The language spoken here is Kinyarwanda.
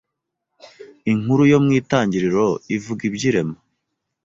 Inkuru yo mu Itangiriro ivuga iby’irema